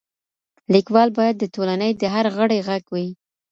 ليکوال بايد د ټولني د هر غړي غږ وي.